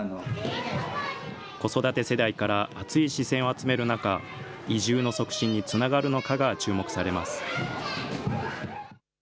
子育て世代から熱い視線を集める中、移住の促進につながるのかが注目されます。